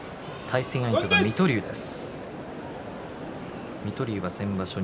対戦相手は水戸龍です。